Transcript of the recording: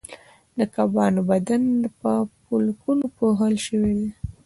د کبانو بدن په پولکونو پوښل شوی دی